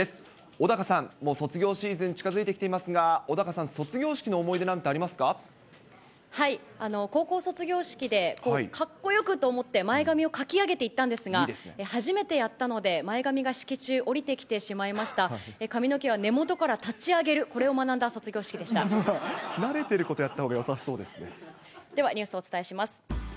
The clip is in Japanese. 小高さん、もう卒業シーズン、近づいてきていますが、小高さん、高校卒業式で、かっこよくと思って、前髪をかき上げていったんですが、初めてやったので、前髪が式中、下りてきてしまいました、髪の毛は根元から立ち上げる、これを学慣れてることやったほうがよではニュースをお伝えします。